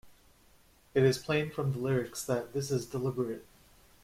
It is plain from the lyrics that this is deliberate.